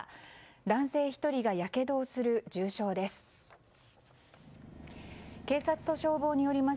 男性１人がやけどをする重傷です。